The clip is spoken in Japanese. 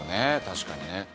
確かにね。